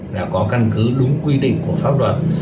là có căn cứ đúng quy định của pháp luật